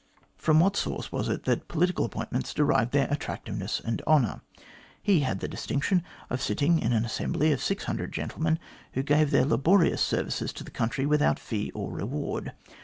From what source was it that political appointments derived their attractiveness and honour ? He had the distinction of sitting in an assembly of 600 gentlemen who gave their laborious services to the country without fee or reward.